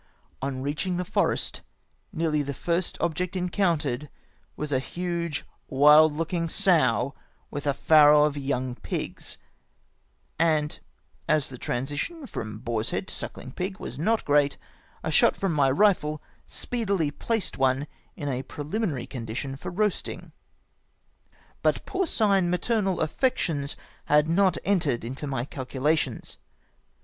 On reaching the forest, nearly the first object encountered was a huge wild looking sow with a farrow of young pigs, and as the transition from boar's head to sucking pig was not great, a shot from my rifle speedily placed one in a pre hminary condition for roasting. But porcine maternal affection had not entered into my calculations.